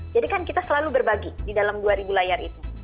jadi kan kita selalu berbagi di dalam dua ribu layar itu